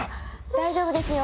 大丈夫ですよ。